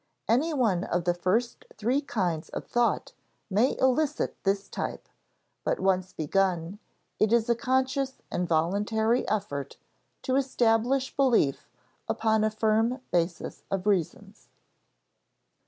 Any one of the first three kinds of thought may elicit this type; but once begun, it is a conscious and voluntary effort to establish belief upon a firm basis of reasons.